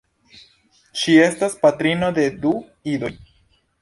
Ŝi estas patrino de du idoj.